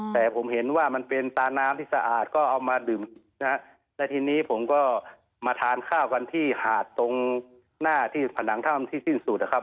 แต่ผมเห็นว่ามันเป็นตาน้ำที่สะอาดก็เอามาดื่มนะฮะแล้วทีนี้ผมก็มาทานข้าวกันที่หาดตรงหน้าที่ผนังถ้ำที่สิ้นสุดนะครับ